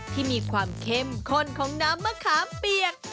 ที่มีความเข้มข้นของน้ำมะขามเปียก